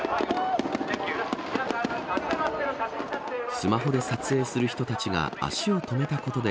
スマホで撮影する人たちが足を止めたことで